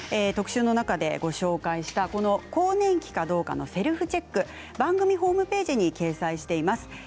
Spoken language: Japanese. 特集の中でご紹介したこの更年期かどうかのセルフチェック番組ホームページに掲載しています。